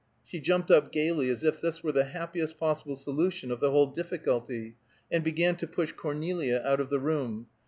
She jumped up gayly, as if this were the happiest possible solution of the whole difficulty, and began to push Cornelia out of the room.